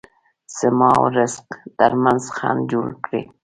زما او رزق ترمنځ خنډ جوړ کړي.